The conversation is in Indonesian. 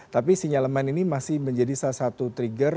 tapi sinyal leman ini masih menjadi salah satu trigger